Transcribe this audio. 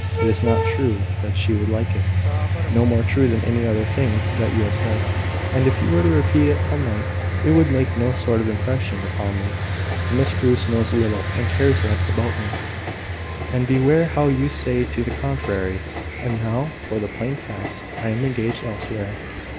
It is not true that she would like it no more true than many other things that you have said: and if you were to repeat it till night, it would make no sort of impression upon me. Miss Bruce knows little, and cares less, about me; and beware how you say to the contrary! And now for the plain fact. I am engaged elsewhere."